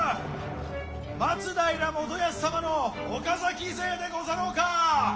松平元康様の岡崎勢でござろうか！